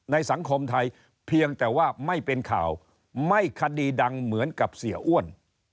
สังคมไทยเพียงแต่ว่าไม่เป็นข่าวไม่คดีดังเหมือนกับเสียอ้วน